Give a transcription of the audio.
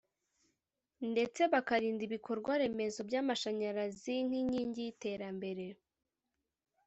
ndetse bakarinda ibikorwa remezo by’amashanyarazi nk’inkingi y’iterambere